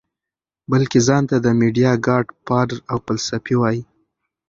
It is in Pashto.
بلکه ځان ته د ميډيا ګاډ فادر او فلسفي وائي -